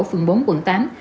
phường bốn quận tám